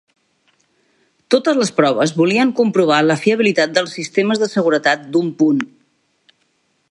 Totes les proves volien comprovar la fiabilitat dels sistemes de seguretat d'un punt.